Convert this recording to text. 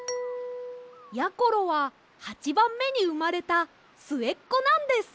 ころは８ばんめにうまれたすえっこなんです！